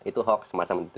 itu hoax semacam itu